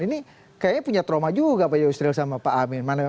ini kayaknya punya trauma juga pak yusril sama pak amin